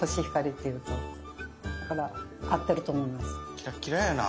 キラッキラやな。